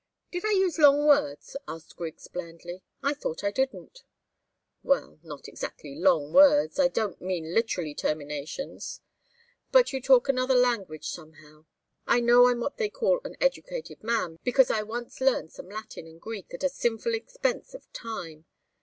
"Did I use long words?" asked Griggs, blandly. "I thought I didn't." "Well, not exactly long words. I don't mean literally terminations. But you talk another language, somehow. I know I'm what they call an educated man, because I once learned some Latin and Greek at a sinful expense of time.